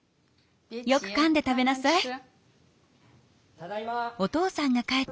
・ただいま！